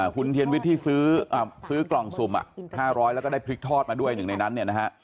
คุณเทียนวิทย์ที่ซื้ออ่าซื้อกล่องซุ่มอ่ะห้าร้อยแล้วก็ได้พริกทอดมาด้วยหนึ่งในนั้นเนี้ยนะฮะ